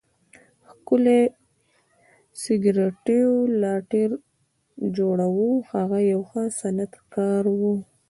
ښکلی د سګریټو لایټر جوړاوه، هغه یو ښه صنعتکار و.